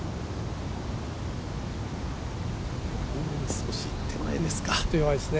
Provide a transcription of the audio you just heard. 少し手前ですか。